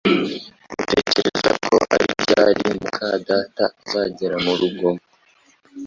Utekereza ko ari ryari muka data azagera murugo?